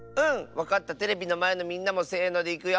わかったテレビのまえのみんなもせのでいくよ！